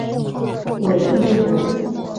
讳一武。